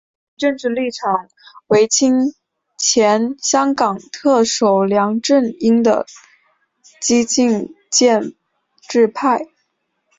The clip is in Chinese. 其政治立场为亲前香港特首梁振英的激进建制派。